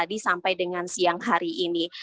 tadi sampai dengan siang hari ini